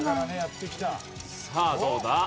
さあどうだ？